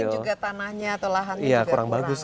dan mungkin juga tanahnya atau lahan juga kurang bagus kan